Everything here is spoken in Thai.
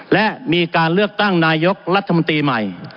และมีการเลือกตั้งนายกรัฐมนตรีใหม่